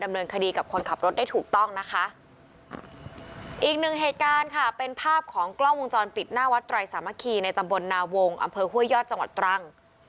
ดำเนินคดีกับคนขับรถได้ถูกต้องนะคะอีกหนึ่งเหตุการณ์ค่ะเป็นภาพของกล้องวงจรปิดหน้าวัดไตรสามัคคีในตำบลนาวงอำเภอห้วยยอดจังหวัดตรัง